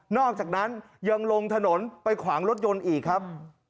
อกจากนั้นยังลงถนนไปขวางรถยนต์อีกครับ